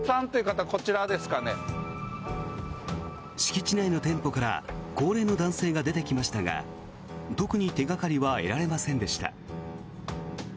敷地内の店舗から高齢の男性が出てきましたが特に手がかりは得られませんでした。